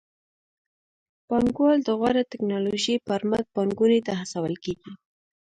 پانګوال د غوره ټکنالوژۍ پر مټ پانګونې ته هڅول کېږي.